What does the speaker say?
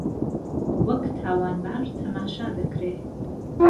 وەک تاوانبار تەماشا دەکرێ